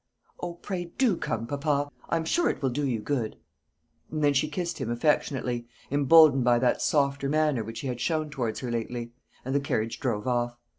"O, pray do come, papa; I'm sure it will do you good." And then she kissed him affectionately, emboldened by that softer manner which he had shown towards her lately; and the carriage drove off.